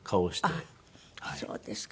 あっそうですか。